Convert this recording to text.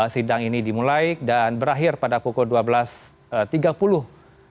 sidang ini dimulai dan berakhir pada pukul dua belas tiga puluh